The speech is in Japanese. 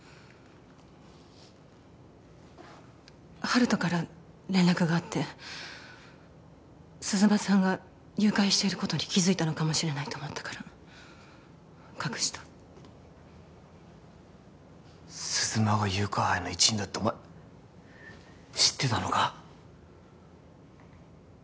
温人から連絡があって鈴間さんが誘拐していることに気づいたのかもしれないと思ったから隠した鈴間が誘拐犯の一員だってお前知ってたのか？